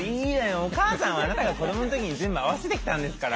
お母さんはあなたが子どもの時に全部合わせてきたんですから。